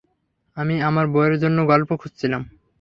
আমি আমার বইয়ের জন্য গল্প খুঁজছিলাম।